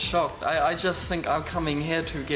saya hanya berpikir saya datang ke sini untuk berkahwin dan bahagia